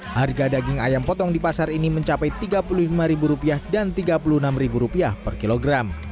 harga daging ayam potong di pasar ini mencapai rp tiga puluh lima dan rp tiga puluh enam per kilogram